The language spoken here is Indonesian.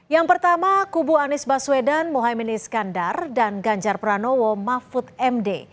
yang pertama kubu anies baswedan mohaimin iskandar dan ganjar pranowo mahfud md